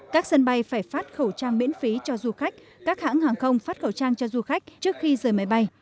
các sân bay phải phát khẩu trang miễn phí cho du khách các hãng hàng không phát khẩu trang cho du khách trước khi rời máy bay